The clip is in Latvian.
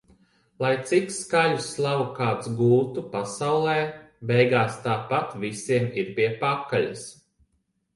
Lai cik skaļu slavu kāds gūtu pasaulē - beigās tāpat visiem ir pie pakaļas.